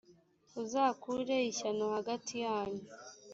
uzakure ishyano hagati yanyu.